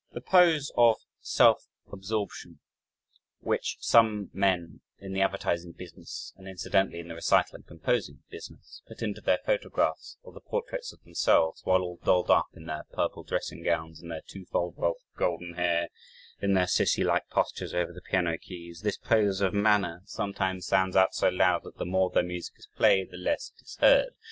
The pose of self absorption, which some men, in the advertising business (and incidentally in the recital and composing business) put into their photographs or the portraits of themselves, while all dolled up in their purple dressing gowns, in their twofold wealth of golden hair, in their cissy like postures over the piano keys this pose of "manner" sometimes sounds out so loud that the more their music is played, the less it is heard.